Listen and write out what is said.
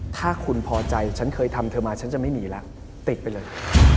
ถ้าคุณพอใจฉันเคยทำเธอมาฉันจะไม่หนีแล้วติดไปเลย